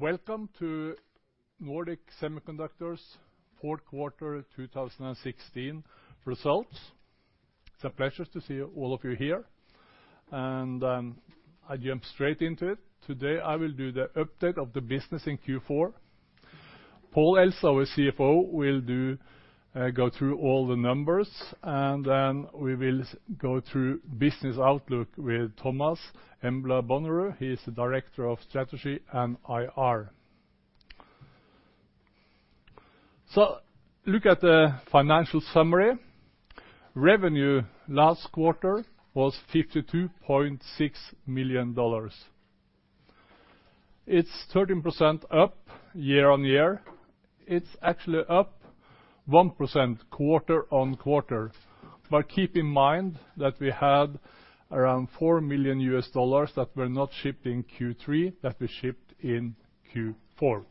Welcome to Nordic Semiconductor's fourth quarter 2016 results. It's a pleasure to see all of you here, and I jump straight into it. Today, I will do the update of the business in Q4. Pål Elstad, our CFO, will go through all the numbers, and then we will go through business outlook with Thomas Embla Bonnerud. He is the Director of Strategy and IR. Look at the financial summary. Revenue last quarter was $52.6 million. It's 13% up year-on-year. It's actually up 1% quarter-on-quarter. Keep in mind that we had around $4 million that were not shipped in Q3, that we shipped in Q4.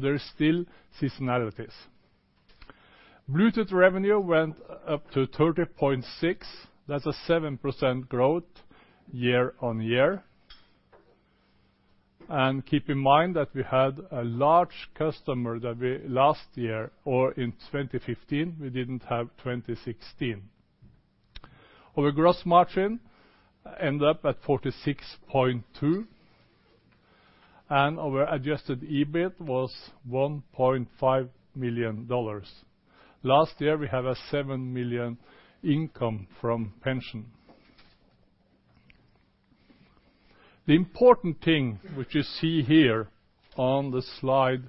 There is still seasonality. Bluetooth revenue went up to $30.6 million, that's a 7% growth year-on-year. Keep in mind that we had a large customer that we... last year, or in 2015, we didn't have 2016. Our gross margin ended up at 46.2, and our adjusted EBIT was $1.5 million. Last year, we had a $7 million income from pension. The important thing which you see here on the slide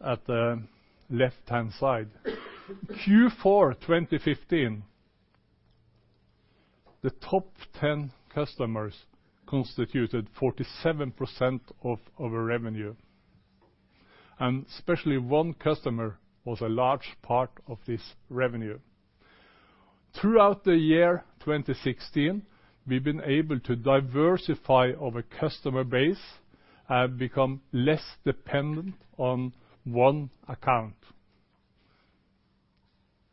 at the left-hand side. In Q4 2015, the top 10 customers constituted 47% of our revenue, and especially one customer was a large part of this revenue. Throughout the year 2016, we've been able to diversify our customer base and become less dependent on one account.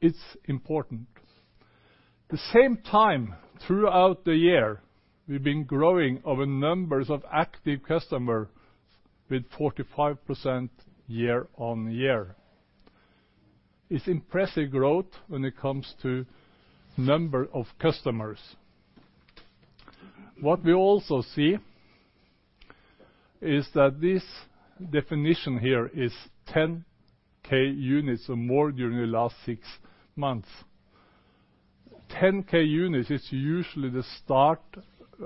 It's important. The same time, throughout the year, we've been growing our number of active customers with 45% year-on-year. It's impressive growth when it comes to number of customers. What we also see is that this definition here is 10,000 units or more during the last 6 months. 10,000 units is usually the start,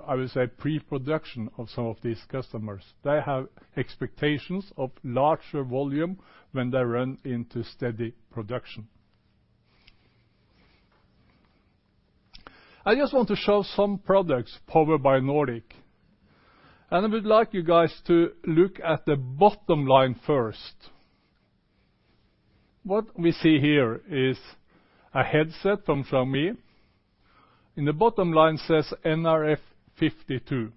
I would say, pre-production of some of these customers. They have expectations of larger volume when they run into steady production. I just want to show some products powered by Nordic, and I would like you guys to look at the bottom line first. What we see here is a headset uncertain. In the bottom line, says nRF52.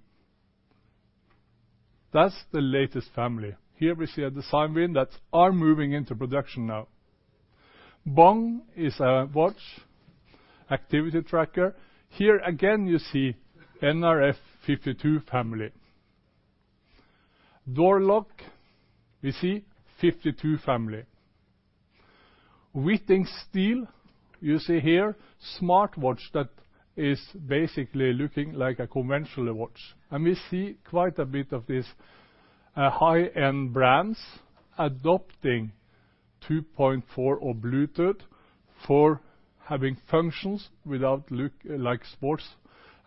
That's the latest family. Here we see a design win that are moving into production now. Bong is a watch activity tracker. Here, again, you see the nRF52 family. Door lock, we see 52 family. Withings Steel, you see here, smartwatch that is basically looking like a conventional watch. We see quite a bit of these high-end brands adopting 2.4 or Bluetooth for having functions without looking like sports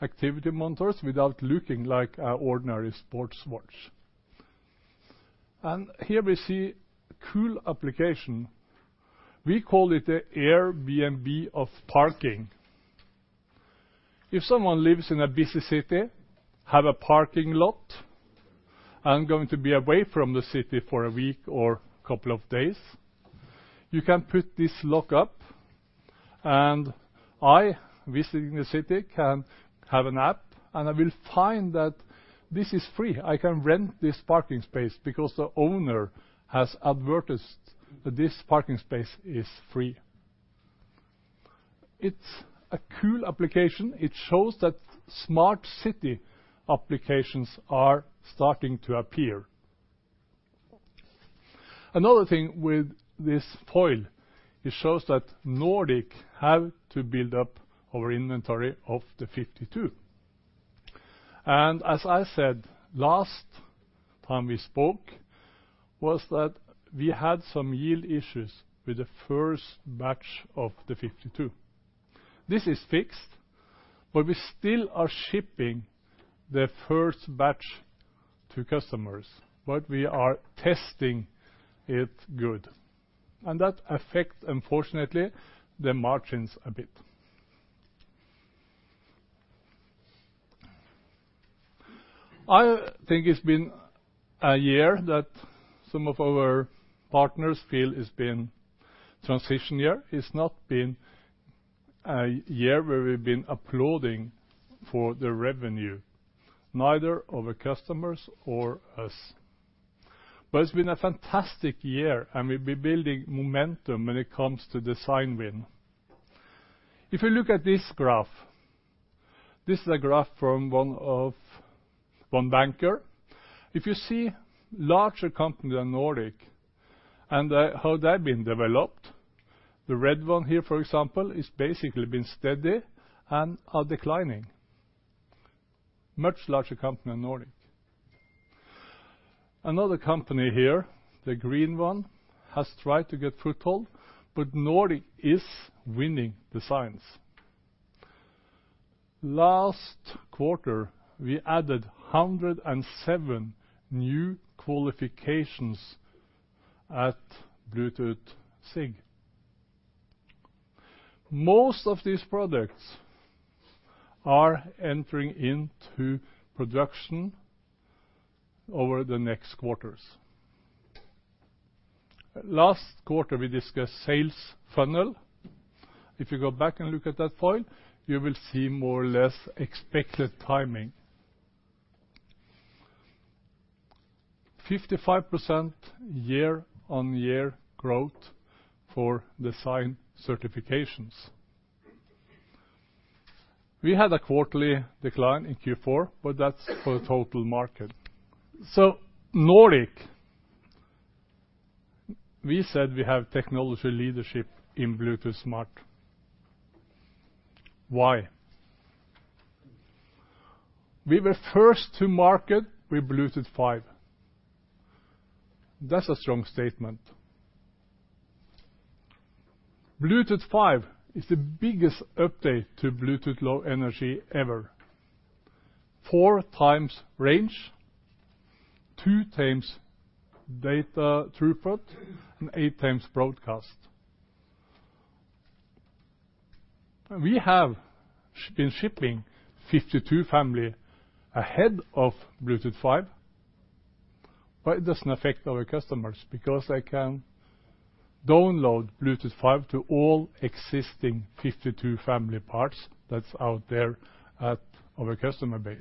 activity monitors, without looking like an ordinary sports watch. Here we see cool application. We call it the Airbnb of parking. If someone lives in a busy city, have a parking lot, and going to be away from the city for a week or a couple of days, you can put this lock up, and I, visiting the city, can have an app, and I will find that this is free. I can rent this parking space because the owner has advertised that this parking space is free. It's a cool application. It shows that smart city applications are starting to appear. Another thing with this foil, it shows that Nordic Semiconductor have to build up our inventory of the nRF52. As I said, last time we spoke, was that we had some yield issues with the first batch of the nRF52. This is fixed. We still are shipping the first batch to customers. We are testing it good. That affects, unfortunately, the margins a bit. I think it's been a year that some of our partners feel it's been a transition year. It's not been a year where we've been applauding for the revenue, neither of our customers or us. It's been a fantastic year. We've been building momentum when it comes to design win. If you look at this graph, this is a graph from one of one banker. If you see larger companies than Nordic, how they've been developed, the red one here, for example, is basically been steady and are declining. Much larger company than Nordic. Another company here, the green one, has tried to get a foothold, but Nordic is winning the signs. Last quarter, we added 107 new qualifications at Bluetooth SIG. Most of these products are entering into production over the next quarters. Last quarter, we discussed sales funnel. If you go back and look at that point, you will see more or less expected timing. 55% year-on-year growth for design certifications. We had a quarterly decline in Q4, but that's for the total market. Nordic, we said we have technology leadership in Bluetooth Smart. Why? We were first to market with Bluetooth 5. That's a strong statement. Bluetooth 5 is the biggest update to Bluetooth Low Energy ever. 4x range, 2x data throughput, and 8x broadcast. We have been shipping nRF52 family ahead of Bluetooth 5, but it doesn't affect our customers because they can download Bluetooth 5 to all existing nRF52 family parts that's out there at our customer base.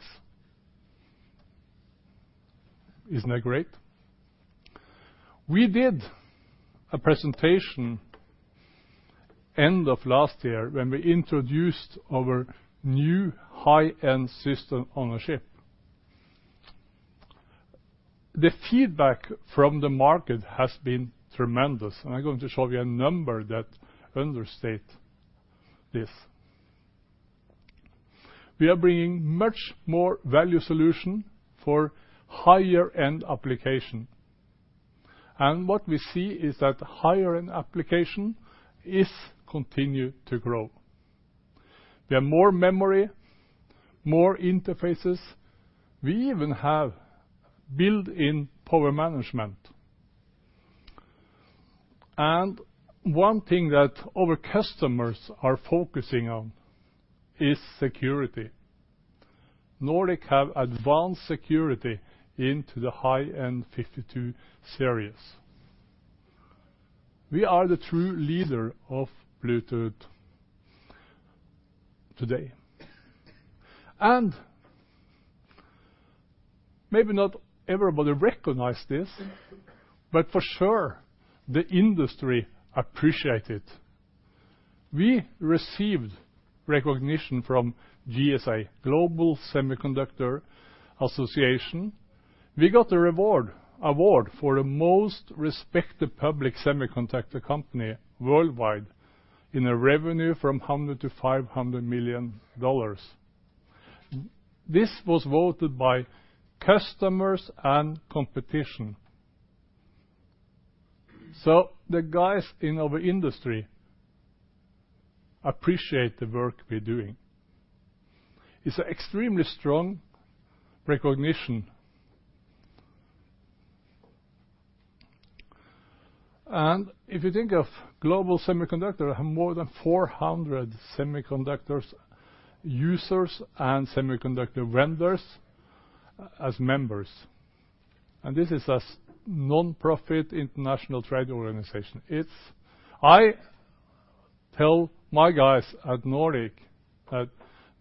Isn't that great? We did a presentation at the end of last year, when we introduced our new high-end System on Chip. The feedback from the market has been tremendous, and I'm going to show you a number that understate this. We are bringing much more value solution for higher-end application. What we see is that higher-end application is continue to grow. There are more memory, more interfaces. We even have built-in power management. One thing that our customers are focusing on is security. Nordic have advanced security into the high-end nRF52 series. We are the true leader of Bluetooth today. Maybe not everybody recognize this, but for sure, the industry appreciates it. We received recognition from GSA, Global Semiconductor Alliance. We got an award for the Most Respected Public Semiconductor Company worldwide in a revenue from $100 million-$500 million. This was voted by customers and competition. The guys in our industry appreciates the work we're doing. It's an extremely strong recognition. If you think of global semiconductor, have more than 400 semiconductors, users and semiconductor vendors as members. This is a nonprofit international trade organization. I tell my guys at Nordic that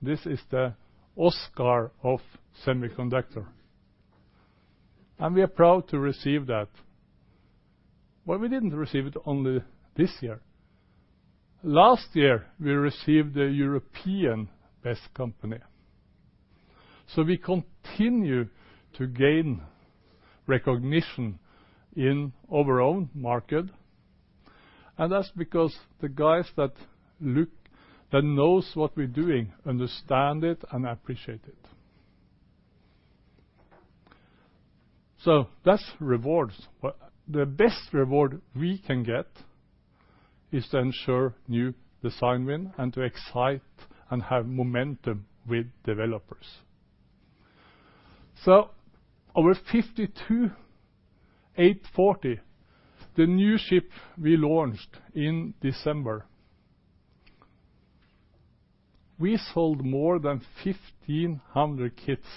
this is the Oscar of Semiconductor, and we are proud to receive that. We didn't receive it only this year. Last year, we received the European Best Company. We continue to gain recognition in our own market, and that's because the guys that know what we're doing, understand it and appreciate it. That's rewards. The best reward we can get is to ensure new design win and to excite and have momentum with developers. Our nRF52840 is the new chip we launched in December. We sold more than 1,500 kits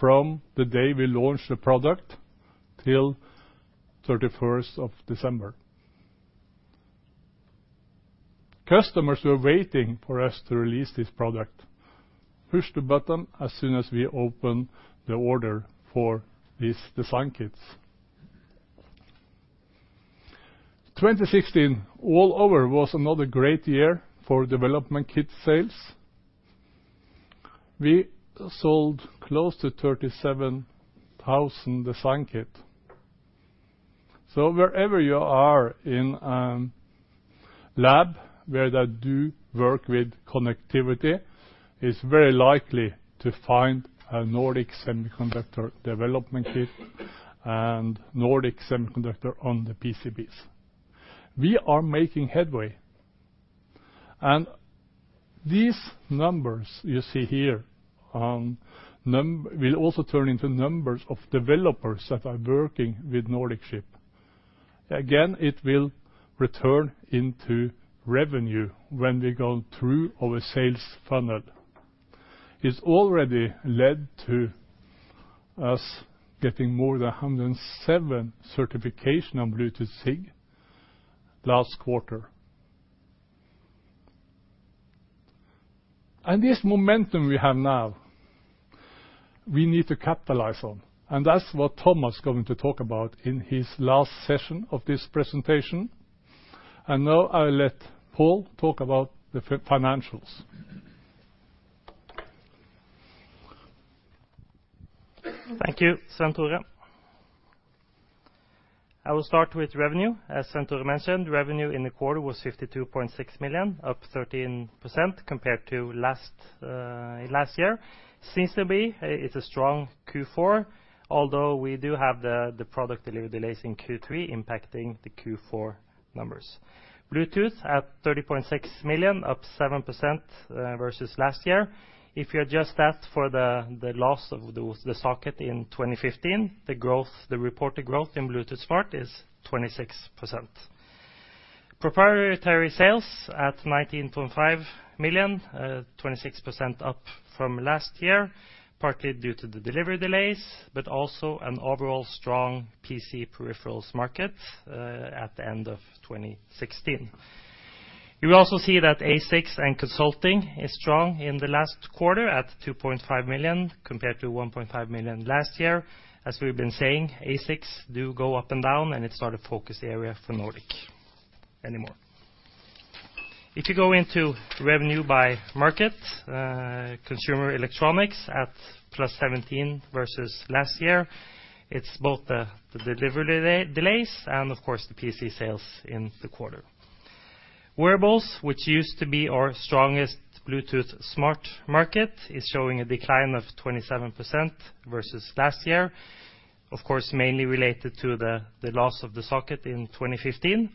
from the day we launched the product till the 31st of December. Customers were waiting for us to release this product, pushed the button as soon as we opened the order for these design kits. 2016, all over, was another great year for development kit sales. We sold close to 37,000 design kit. Wherever you are in lab, where they do work with connectivity, it's very likely to find a Nordic Semiconductor development kit and Nordic Semiconductor on the PCBs. We are making headway, and these numbers you see here, will also turn into numbers of developers that are working with Nordic chip. Again, it will return into revenue when we go through our sales funnel. It's already led to us getting more than 107 certification on Bluetooth SIG last quarter. This momentum we have now, we need to capitalize on, and that's what Thomas is going to talk about in his last session of this presentation. Now I will let Pål talk about the financials. Thank you, Svenn-Tore. I will start with revenue. As Svenn-Tore mentioned, revenue in the quarter was $52.6 million, up 13% compared to last year. Seems to be it's a strong Q4, although we do have the product delivery delays in Q3 impacting the Q4 numbers. Bluetooth at $30.6 million, up 7% versus last year. If you adjust that for the loss of the socket in 2015, the reported growth in Bluetooth Smart is 26%. Proprietary sales at $19.5 million, 26% up from last year, partly due to the delivery delays, but also an overall strong PC peripherals market at the end of 2016. You will also see that ASICs and consulting is strong in the last quarter at $2.5 million, compared to $1.5 million last year. As we've been saying, ASICs do go up and down, and it's not a focus area for Nordic anymore. If you go into revenue by market, consumer electronics at +17 versus last year, it's both the delivery delays and, of course, the PC sales in the quarter. Wearables, which used to be our strongest Bluetooth Smart market, is showing a decline of 27% versus last year. Of course, mainly related to the loss of the socket in 2015.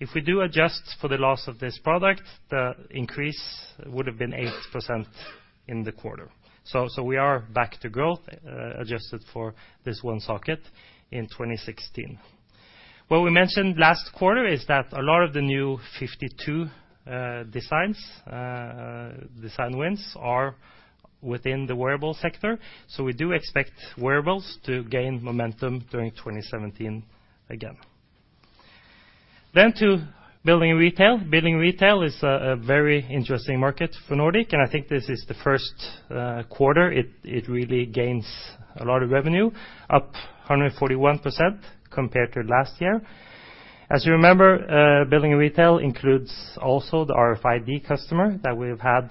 If we do adjust for the loss of this product, the increase would have been 8% in the quarter. We are back to growth, adjusted for this 1 socket in 2016. What we mentioned last quarter is that a lot of the new 52 designs, design wins, are within the wearable sector, so we do expect wearables to gain momentum during 2017 again. To building and retail. Building and retail is a very interesting market for Nordic, and I think this is the first quarter it really gains a lot of revenue, up 141% compared to last year. As you remember, building and retail includes also the RFID customer that we've had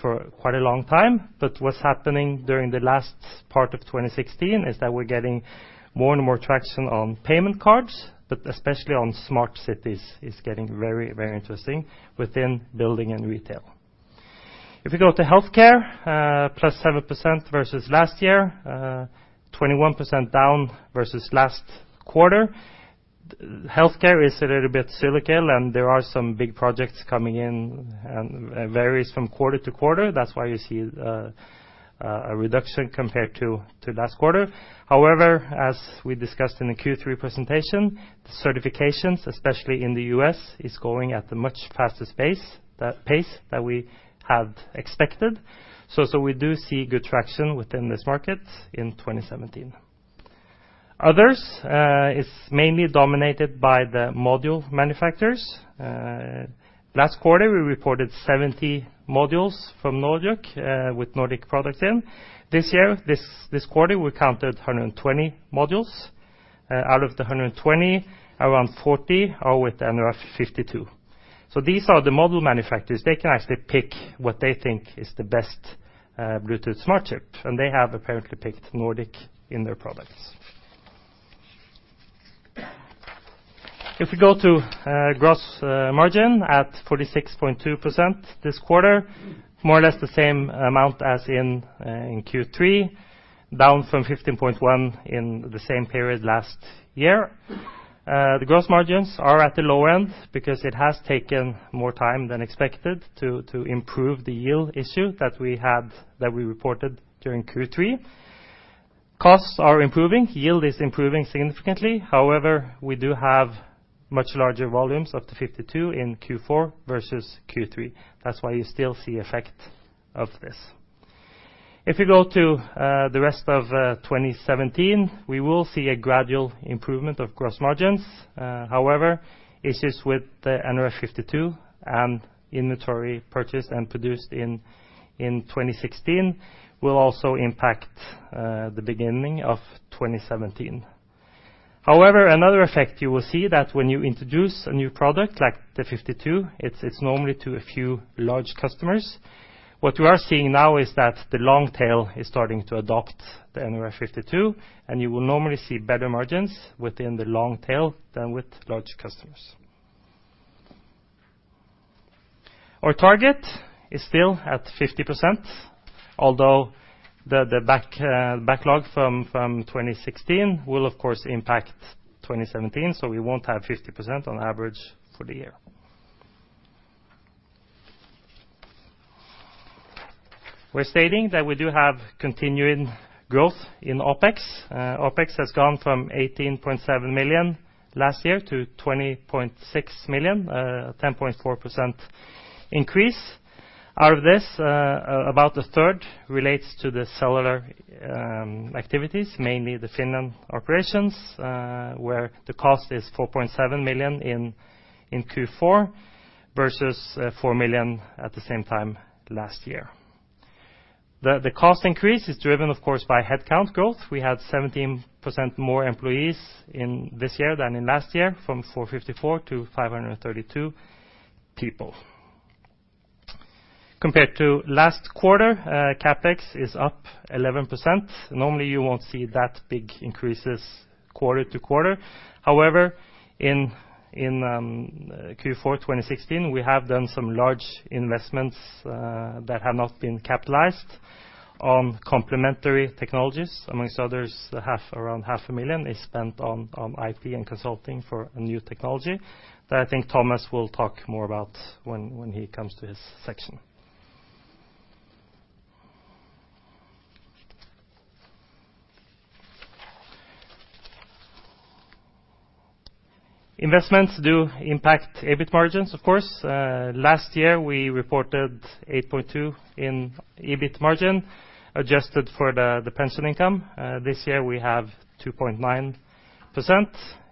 for quite a long time, but what's happening during the last part of 2016 is that we're getting more and more traction on payment cards, but especially on smart cities, it's getting very, very interesting within building and retail. If you go to healthcare, +7% versus last year, 21% down versus last quarter. Healthcare is a little bit cyclical, and there are some big projects coming in, and it varies from quarter to quarter. That's why you see a reduction compared to last quarter. As we discussed in the Q3 presentation, certifications, especially in the U.S., is going at a much faster pace than we had expected. We do see good traction within this market in 2017. Others is mainly dominated by the module manufacturers. Last quarter, we reported 70 modules from Nordic with Nordic products in. This year, this quarter, we counted 120 modules. Out of the 120, around 40 are with nRF52. These are the module manufacturers. They can actually pick what they think is the best Bluetooth Smart chip, and they have apparently picked Nordic in their products. If we go to gross margin at 46.2% this quarter, more or less the same amount as in Q3, down from 15.1% in the same period last year. The gross margins are at the low end because it has taken more time than expected to improve the yield issue that we had, that we reported during Q3. Costs are improving, yield is improving significantly. We do have much larger volumes of the 52 in Q4 versus Q3. That's why you still see effect of this. If you go to the rest of 2017, we will see a gradual improvement of gross margins. Issues with the nRF52 and inventory purchased and produced in 2016 will also impact the beginning of 2017.... Another effect you will see that when you introduce a new product like the nRF52, it's normally to a few large customers. What we are seeing now is that the long tail is starting to adopt the nRF52, and you will normally see better margins within the long tail than with large customers. Our target is still at 50%, although the backlog from 2016 will, of course, impact 2017, so we won't have 50% on average for the year. We're stating that we do have continuing growth in OpEx. OpEx has gone from $18.7 million last year to $20.6 million, a 10.4% increase. Out of this, about a third relates to the cellular activities, mainly the Finland operations, where the cost is $4.7 million in Q4, versus $4 million at the same time last year. The cost increase is driven, of course, by headcount growth. We had 17% more employees in this year than in last year, from 454 to 532 people. Compared to last quarter, CapEx is up 11%. Normally, you won't see that big increases quarter to quarter. However, in Q4 2016, we have done some large investments that have not been capitalized on complementary technologies. Amongst others, around half a million is spent on IT and consulting for a new technology, that I think Thomas will talk more about when he comes to his section. Investments do impact EBIT margins, of course. Last year, we reported 8.2% in EBIT margin, adjusted for the pension income. This year, we have 2.9%.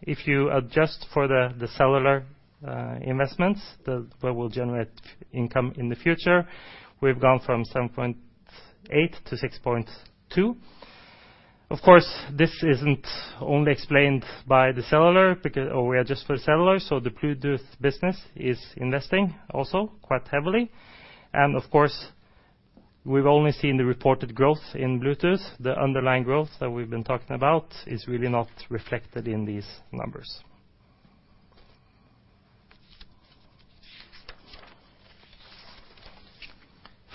If you adjust for the cellular investments, that will generate income in the future, we've gone from 7.8% to 6.2%. Of course, this isn't only explained by the cellular. We adjust for the cellular, so the Bluetooth business is investing also quite heavily. Of course, we've only seen the reported growth in Bluetooth. The underlying growth that we've been talking about is really not reflected in these numbers.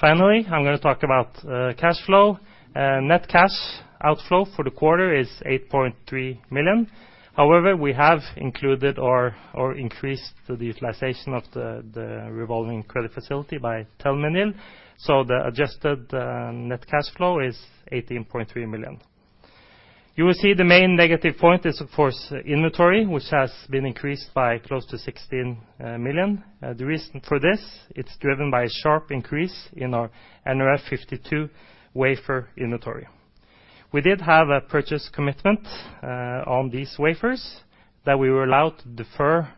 Finally, I'm gonna talk about cash flow. Net cash outflow for the quarter is $8.3 million. We have included or increased the utilization of the revolving credit facility by Telia, so the adjusted net cash flow is $18.3 million. You will see the main negative point is, of course, inventory, which has been increased by close to $16 million. The reason for this, it's driven by a sharp increase in our nRF52 wafer inventory. We did have a purchase commitment on these wafers, that we were allowed to defer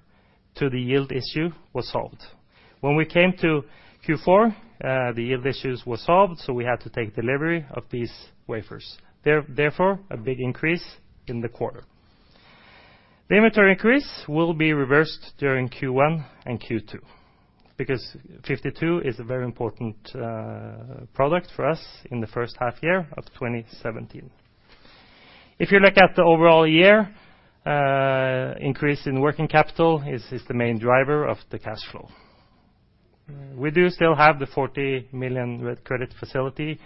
till the yield issue was solved. When we came to Q4, the yield issues were solved, so we had to take delivery of these wafers. Therefore, a big increase in the quarter. The inventory increase will be reversed during Q1 and Q2, because 52 is a very important product for us in the first half year of 2017. If you look at the overall year, increase in working capital is the main driver of the cash flow. We do still have the $40 million red credit facility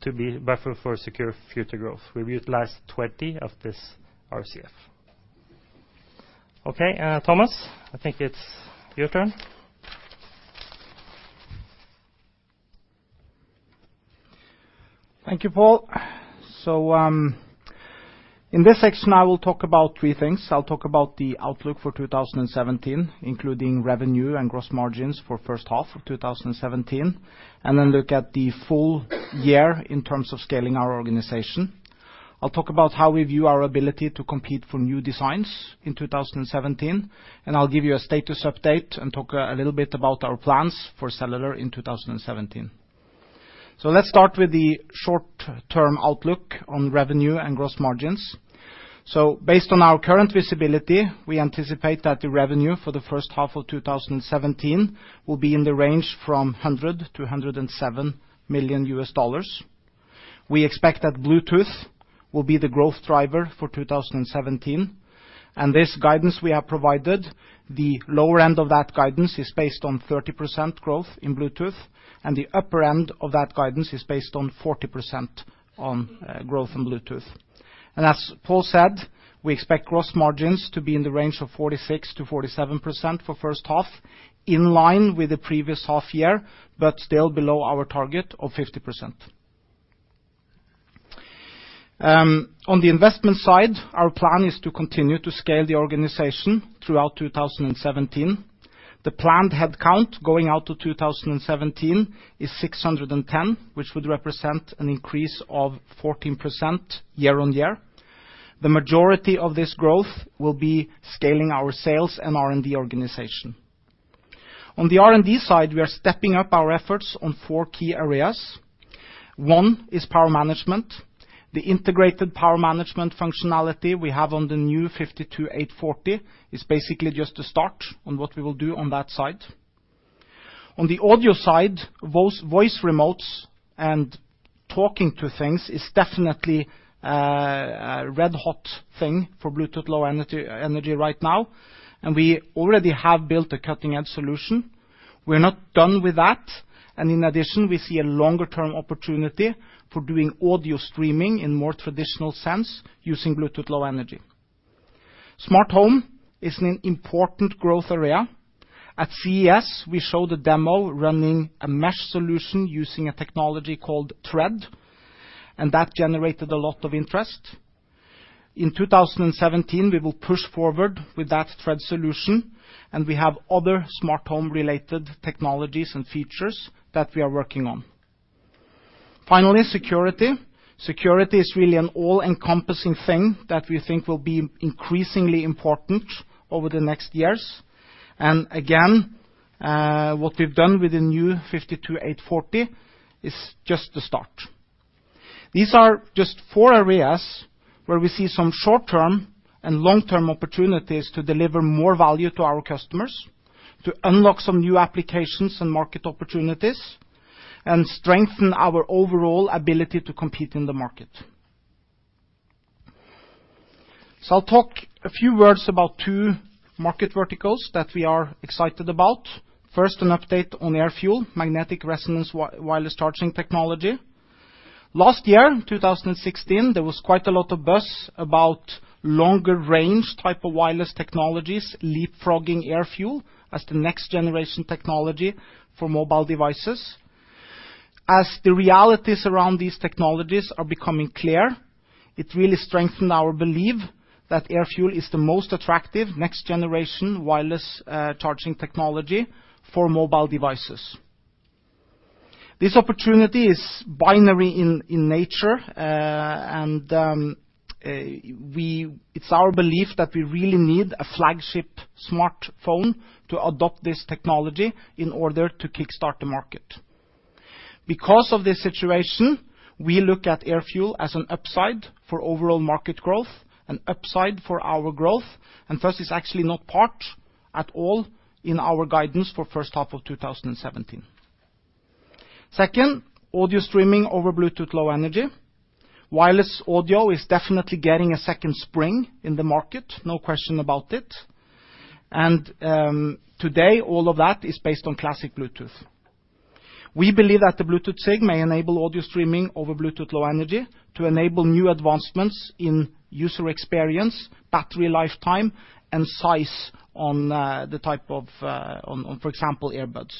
to be buffer for secure future growth. We've utilized $20 of this RCF. Okay, Thomas, I think it's your turn. Thank you, Pål. In this section, I will talk about three things. I'll talk about the outlook for 2017, including revenue and gross margins for the first half of 2017, and then look at the full year in terms of scaling our organization. I'll talk about how we view our ability to compete for new designs in 2017, and I'll give you a status update and talk a little bit about our plans for cellular in 2017. Let's start with the short-term outlook on revenue and gross margins. Based on our current visibility, we anticipate that the revenue for the first half of 2017 will be in the range from $100 million-$107 million. We expect that Bluetooth will be the growth driver for 2017. This guidance we have provided, the lower end of that guidance is based on 30% growth in Bluetooth, and the upper end of that guidance is based on 40% on growth in Bluetooth. As Pål said, we expect gross margins to be in the range of 46%-47% for the first half, in line with the previous half year, but still below our target of 50%. On the investment side, our plan is to continue to scale the organization throughout 2017. The planned headcount going out to 2017 is 610, which would represent an increase of 14% year-over-year. The majority of this growth will be scaling our sales and R&D organization. On the R&D side, we are stepping up our efforts on four key areas. One is power management. The integrated power management functionality we have on the new 52840 is basically just a start on what we will do on that side. On the audio side, voice remotes and talking to things is definitely a red-hot thing for Bluetooth Low Energy right now, and we already have built a cutting-edge solution. We're not done with that, and in addition, we see a longer-term opportunity for doing audio streaming in more traditional sense, using Bluetooth Low Energy. Smart home is an important growth area. At CES, we showed a demo running a mesh solution using a technology called Thread, and that generated a lot of interest. In 2017, we will push forward with that Thread solution, and we have other smart home-related technologies and features that we are working on. Finally, security. Security is really an all-encompassing thing that we think will be increasingly important over the next years. Again, what we've done with the new nRF52840 is just the start. These are just four areas where we see some short-term and long-term opportunities to deliver more value to our customers, to unlock some new applications and market opportunities, and strengthen our overall ability to compete in the market. I'll talk a few words about two market verticals that we are excited about. First, an update on AirFuel, magnetic resonance wireless charging technology. Last year, in 2016, there was quite a lot of buzz about longer-range types of wireless technologies, leapfrogging AirFuel as the next-generation technology for mobile devices. As the realities around these technologies are becoming clear, it really strengthened our belief that AirFuel is the most attractive next-generation wireless charging technology for mobile devices. This opportunity is binary in nature, it's our belief that we really need a flagship smartphone to adopt this technology in order to kickstart the market. Because of this situation, we look at AirFuel as an upside for overall market growth and upside for our growth, it's actually not part at all in our guidance for the first half of 2017. Second, audio streaming over Bluetooth Low Energy. Wireless audio is definitely getting a second spring in the market, no question about it. Today, all of that is based on classic Bluetooth. We believe that the Bluetooth SIG may enable audio streaming over Bluetooth Low Energy to enable new advancements in user experience, battery lifetime, and size on the type of, for example, earbuds.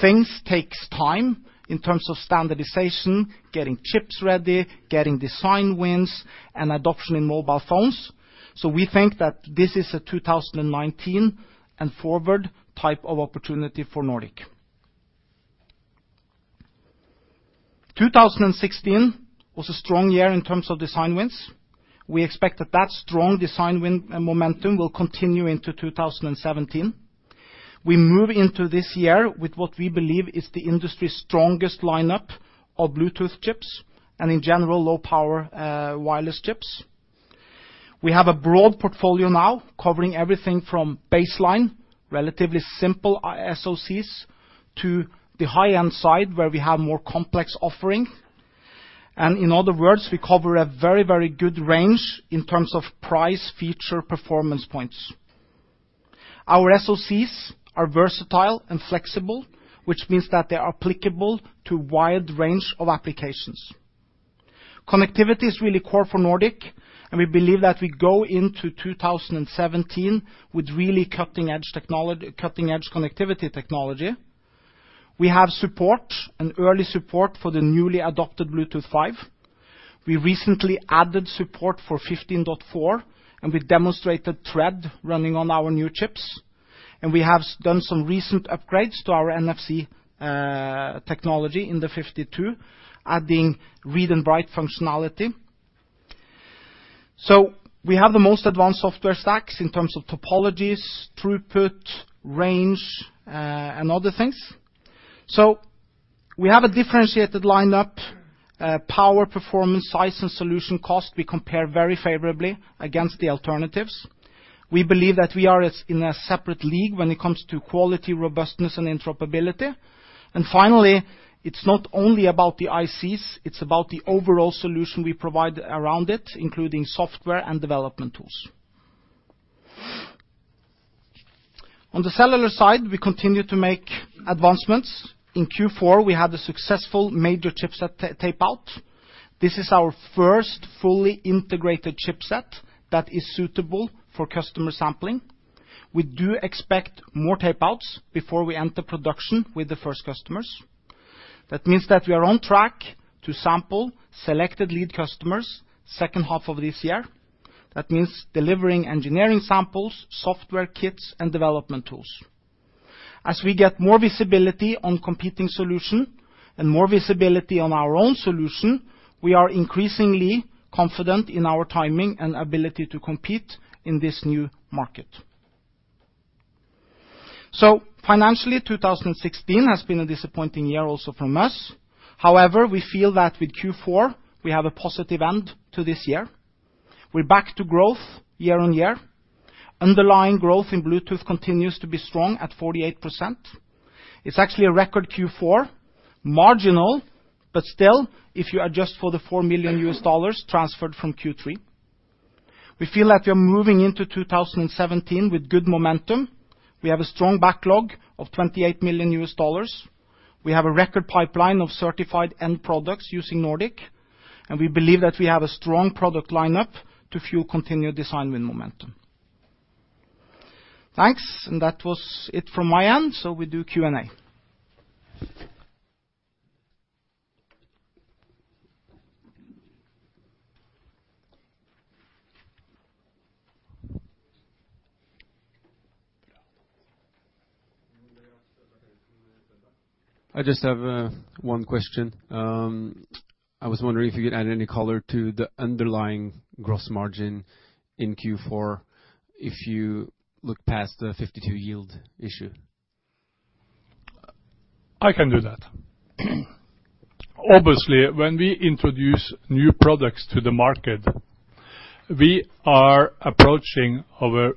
Things takes time in terms of standardization, getting chips ready, getting design wins, and adoption in mobile phones. We think that this is a 2019 and forward type of opportunity for Nordic. 2016 was a strong year in terms of design wins. We expect that strong design win and momentum will continue into 2017. We move into this year with what we believe is the industry's strongest lineup of Bluetooth chips, and in general, low-power wireless chips. We have a broad portfolio now, covering everything from baseline, relatively simple SoCs, to the high-end side, where we have more complex offering. In other words, we cover a very, very good range in terms of price, feature, and performance points. Our SoCs are versatile and flexible, which means that they are applicable to wide range of applications. Connectivity is really core for Nordic, and we believe that we go into 2017 with really cutting-edge connectivity technology. We have early support for the newly adopted Bluetooth 5. We recently added support for 15.4, we demonstrated Thread running on our new chips, we have done some recent upgrades to our NFC technology in the 52, adding read and write functionality. We have the most advanced software stacks in terms of topologies, throughput, range, and other things. We have a differentiated lineup, power, performance, size, and solution cost. We compare very favorably against the alternatives. We believe that we are in a separate league when it comes to quality, robustness, and interoperability. Finally, it's not only about the ICs, it's about the overall solution we provide around it, including software and development tools. On the cellular side, we continue to make advancements. In Q4, we had a successful major chipset tape out. This is our first fully integrated chipset that is suitable for customer sampling. We do expect more tape outs before we enter production with the first customers. That means that we are on track to sample selected lead customers second half of this year. That means delivering engineering samples, software kits, and development tools. As we get more visibility on competing solution and more visibility on our own solution, we are increasingly confident in our timing and ability to compete in this new market. Financially, 2016 has been a disappointing year also from us. However, we feel that with Q4, we have a positive end to this year. We're back to growth year-on-year. Underlying growth in Bluetooth continues to be strong at 48%. It's actually a record Q4, marginal, but still, if you adjust for the $4 million transferred from Q3. We feel that we are moving into 2017 with good momentum. We have a strong backlog of $28 million. We have a record pipeline of certified end products using Nordic. We believe that we have a strong product lineup to fuel continued design win momentum. Thanks. That was it from my end. We do Q&A. I just have, 1 question. I was wondering if you could add any color to the underlying gross margin in Q4 if you look past the 52 yield issue? I can do that. Obviously, when we introduce new products to the market, we are approaching our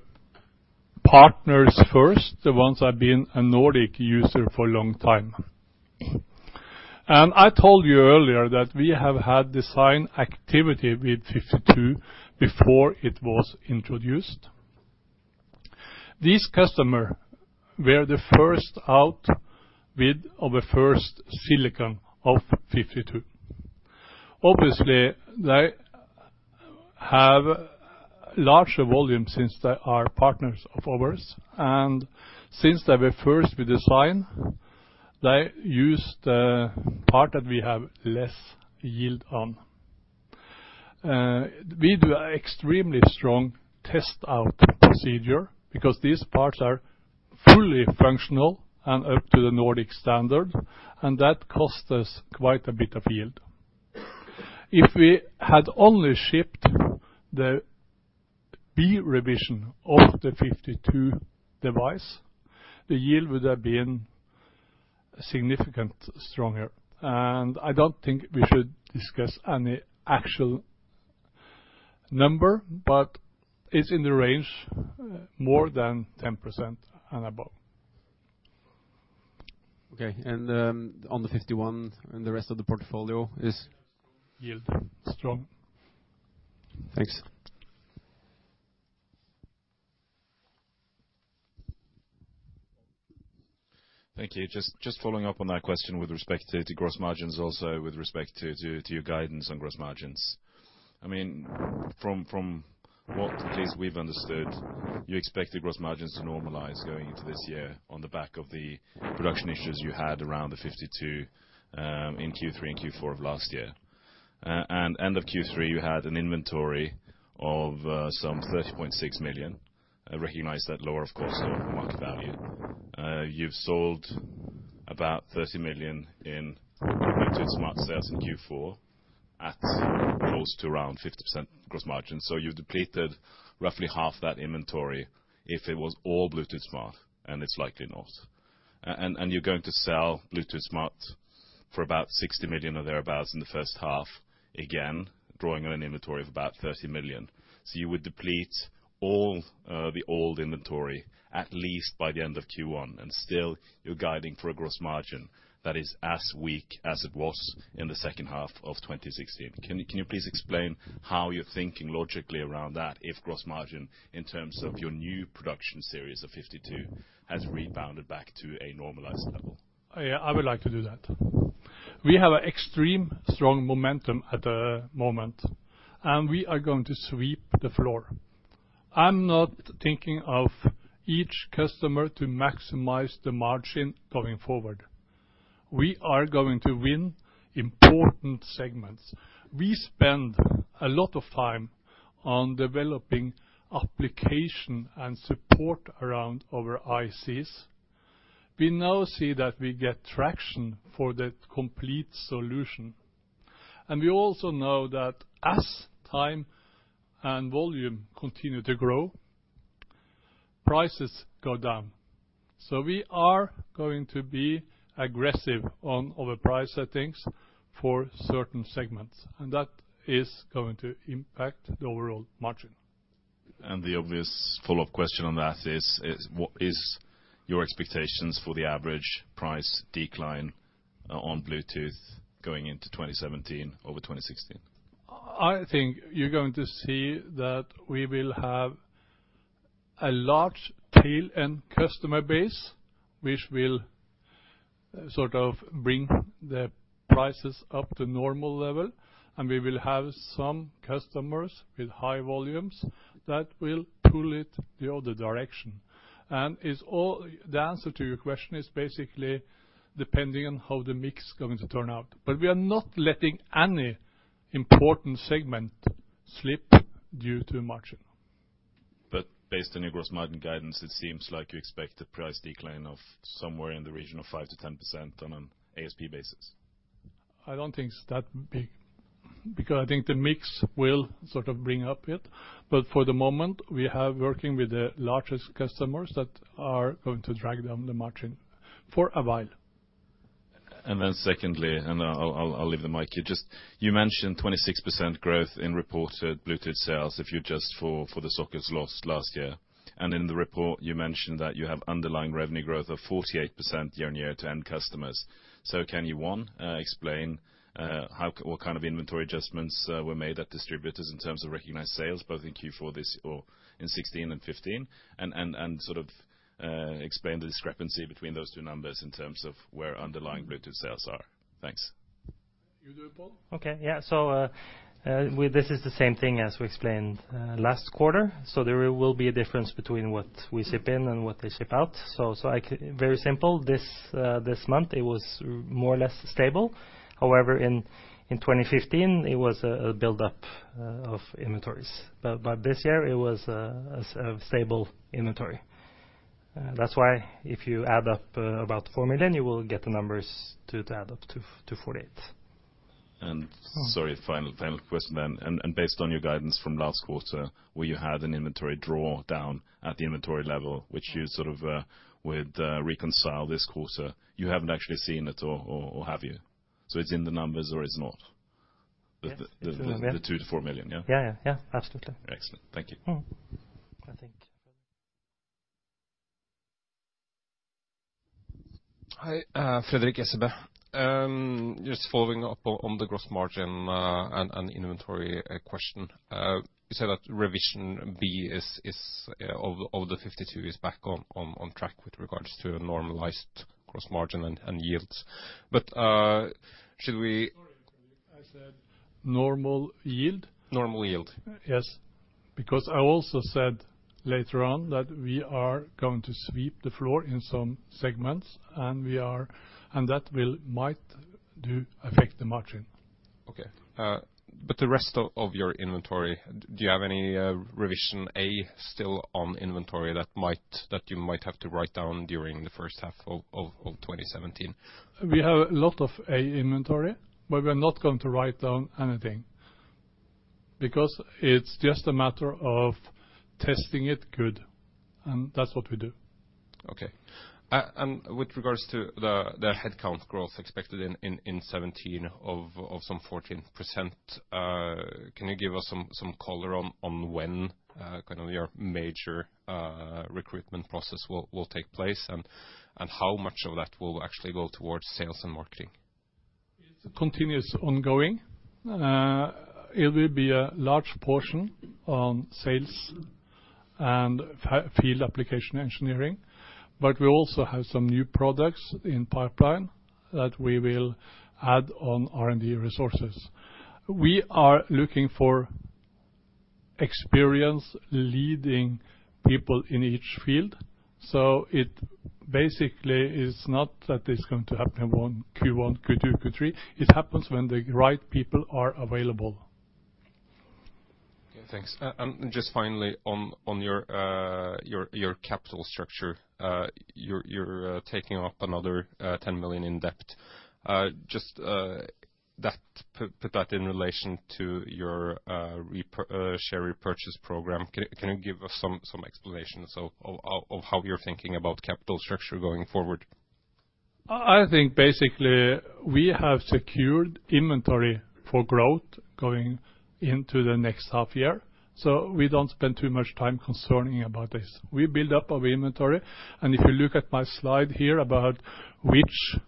partners first, the ones that have been a Nordic user for a long time. I told you earlier that we have had design activity with nRF52 before it was introduced. These customers were the first out with our first silicon of nRF52. Obviously, they have larger volume since they are partners of ours, and since they were first with design, they used the part that we have less yield on. We do extremely strong test-out procedure because these parts are fully functional and up to the Nordic standard, and that cost us quite a bit of yield. If we had only shipped the B revision of the nRF52 device, the yield would have been significantly stronger. I don't think we should discuss any actual number, but it's in the range more than 10% and above. Okay, and, on the nRF51 and the rest of the portfolio is? Yield, strong. Thanks. Thank you. Just following up on that question with respect to gross margins, also with respect to your guidance on gross margins. I mean, from what the case we've understood, you expected gross margins to normalize going into this year on the back of the production issues you had around the nRF52 in Q3 and Q4 of last year. End of Q3, you had an inventory of some $30.6 million, I recognize that lower, of course, than market value. You've sold about $30 million in Bluetooth Smart sales in Q4 at close to around 50% gross margin. You've depleted roughly half that inventory if it was all Bluetooth Smart, and it's likely not. You're going to sell Bluetooth Smart for about $60 million or thereabouts in the first half, again, drawing on an inventory of about $30 million. You would deplete all the old inventory, at least by the end of Q1, and still you're guiding for a gross margin that is as weak as it was in the second half of 2016. Can you please explain how you're thinking logically around that, if gross margin, in terms of your new production series of 52, has rebounded back to a normalized level? Yeah, I would like to do that. We have an extreme strong momentum at the moment, and we are going to sweep the floor. I'm not thinking of each customer to maximize the margin going forward. We are going to win important segments. We spend a lot of time on developing application and support around our ICs. We now see that we get traction for that complete solution, and we also know that as time and volume continue to grow, prices go down. We are going to be aggressive on our price settings for certain segments, and that is going to impact the overall margin. The obvious follow-up question on that is what is your expectations for the average price decline on Bluetooth going into 2017 over 2016? I think you're going to see that we will have a large tail-end customer base, which will sort of bring the prices up to normal level, and we will have some customers with high volumes that will pull it the other direction. The answer to your question is basically depending on how the mix is going to turn out. We are not letting any important segment slip due to the margin. Based on your gross margin guidance, it seems like you expect a price decline of somewhere in the region of 5%-10% on an ASP basis? I don't think it's that big, because I think the mix will sort of bring it up. For the moment, we have working with the largest customers that are going to drag down the margin for a while. Secondly, I'll leave the mic here. Just you mentioned 26% growth in reported Bluetooth sales, if you adjust for the sockets lost last year. In the report, you mentioned that you have underlying revenue growth of 48% year-on-year to end customers. Can you, one, explain what kind of inventory adjustments were made at distributors in terms of recognized sales, both in Q4 or in '16 and '15? Sort of explain the discrepancy between those two numbers in terms of where underlying Bluetooth sales are. Thanks. You do it, Pål? Okay, yeah. This is the same thing as we explained last quarter. There will be a difference between what we ship in and what they ship out. Very simple, this month, it was more or less stable. However, in 2015, it was a buildup of inventories. This year, it was a stable inventory. That's why if you add up about $4 million, you will get the numbers to add up to 48. Sorry, final question then. Based on your guidance from last quarter, where you had an inventory drawdown at the inventory level, which you sort of would reconcile this quarter, you haven't actually seen it or have you? It's in the numbers or it's not? Yes. The $2 million-$4 million, yeah? Yeah, yeah. Absolutely. Excellent. Thank you. Mm-hmm. I think. Hi, Frederick, SEB. Just following up on the gross margin, and inventory, question. You said that revision B is of the nRF52 is back on track with regards to a normalized gross margin and yields. Should we- Sorry, I said normal yield? Normal yield. Yes. I also said later on that we are going to sweep the floor in some segments, and that will might do affect the margin. Okay. The rest of your inventory, do you have any revision A still on inventory that you might have to write down during the first half of 2017? We have a lot of A inventory, but we're not going to write down anything, because it's just a matter of testing it good, and that's what we do. Okay. With regards to the headcount growth expected in 2017 of some 14%, can you give us some color on when, kind of your major recruitment process will take place, and how much of that will actually go towards sales and marketing? It's continuous, ongoing. It will be a large portion on sales and field application engineering, but we also have some new products in pipeline that we will add on R&D resources. We are looking for experienced leading people in each field, so it basically is not that it's going to happen in one Q1, Q2, Q3. It happens when the right people are available. Yeah, thanks. Just finally on your capital structure, you're taking up another $10 million in debt. Just that, put that in relation to your share repurchase program. Can you give us some explanations of how you're thinking about capital structure going forward? I think basically, we have secured inventory for growth going into the next half year, so we don't spend too much time concerning about this. We build up our inventory, and if you look at my slide here about which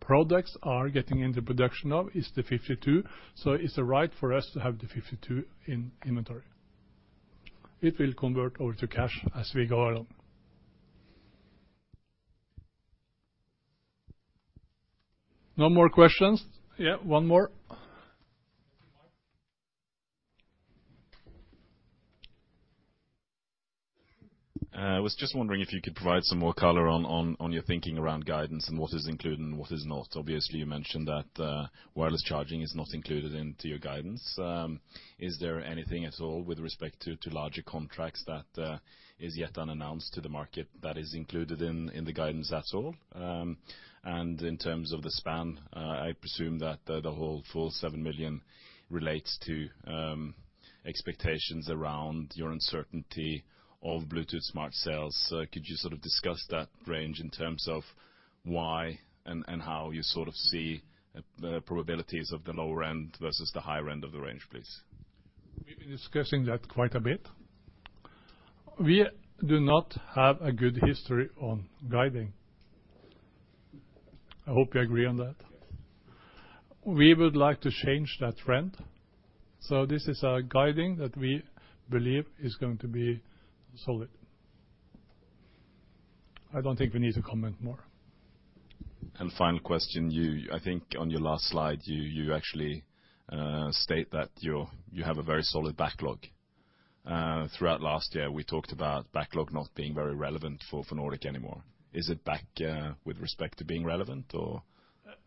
products are getting into production of, it's the nRF52, so it's right for us to have the nRF52 in inventory. It will convert over to cash as we go along. No more questions? Yeah, one more. I was just wondering if you could provide some more color on your thinking around guidance and what is included and what is not. Obviously, you mentioned that wireless charging is not included into your guidance. Is there anything at all with respect to larger contracts that is yet unannounced to the market that is included in the guidance at all? And in terms of the span, I presume that the whole full $7 million relates to expectations around your uncertainty of Bluetooth smart sales. Could you sort of discuss that range in terms of why and how you sort of see the probabilities of the lower end versus the higher end of the range, please? We've been discussing that quite a bit. We do not have a good history on guiding. I hope you agree on that. Yes. We would like to change that trend, so this is a guiding that we believe is going to be solid. I don't think we need to comment more. Final question: You, I think on your last slide, you actually state that you have a very solid backlog. Throughout last year, we talked about backlog not being very relevant for Nordic anymore. Is it back with respect to being relevant, or?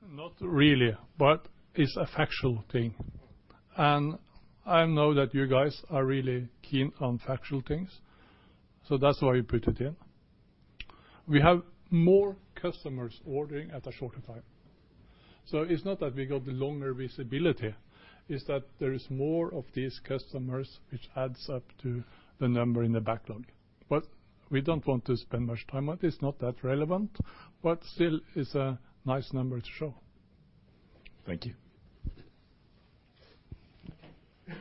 Not really, but it's a factual thing. I know that you guys are really keen on factual things, so that's why I put it in. We have more customers ordering at a shorter time. It's not that we got the longer visibility, it's that there is more of these customers, which adds up to the number in the backlog. We don't want to spend much time on it. It's not that relevant, but still, it's a nice number to show. Thank you.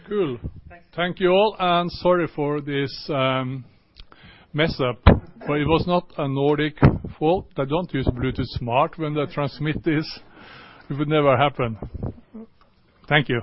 Cool. Thanks. Thank you all, and sorry for this, mess up, but it was not a Nordic fault. I don't use Bluetooth Smart when I transmit this. It would never happen. Thank you.